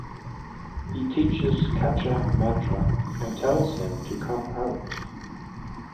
He teaches Kacha Mantra and tells him to come out.